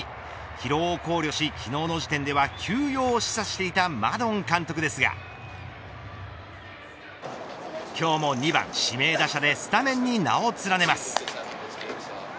疲労を考慮し昨日の時点では休養を示唆していたマドン監督ですが今日も、２番指名打者でスタメンに名を連ねます。